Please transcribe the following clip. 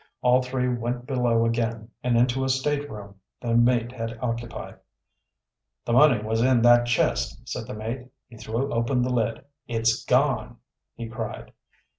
All three went below again, and into a stateroom the mate had occupied. "The money was in that chest," said the mate. He threw open the lid. "It's gone!" he cried.